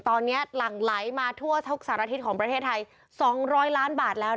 ตอนนี้หลั่งไหลมาทั่วทุกสารทิศของประเทศไทย๒๐๐ล้านบาทแล้ว